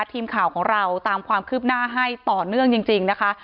ทีมข่าวของเราตามความคืบหน้าให้ต่อเนื่องจริงนะคะ